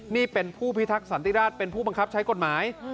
นี่เป็นผู้พิทักษันติราชเป็นผู้บังคับใช้กฎหมาย